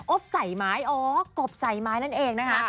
ใส่ไม้อ๋อกบใส่ไม้นั่นเองนะคะ